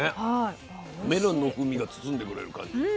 メロンの風味が包んでくれる感じ。